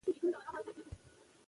خپله خولۍ ایسته کړه.